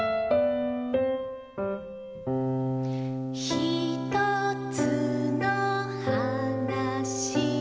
「ひとつのはなし」